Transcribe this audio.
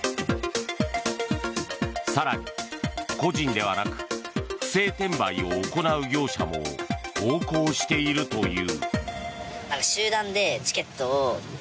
更に、個人ではなく不正転売を行う業者も横行しているという。